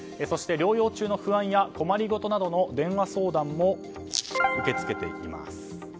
そして、療養中の不安や困りごとなどの電話相談も受け付けています。